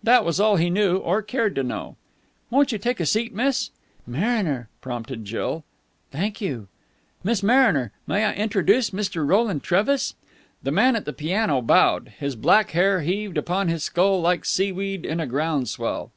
That was all he knew, or cared to know. "Won't you take a seat, Miss...." "Mariner," prompted Jill. "Thank you." "Miss Mariner. May I introduce Mr. Roland Trevis?" The man at the piano bowed. His black hair heaved upon his skull like seaweed in a ground swell.